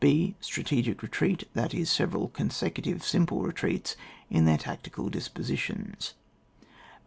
b. Strategic Betreat, that is several consecutive simple retreats, in their tactical dispositions.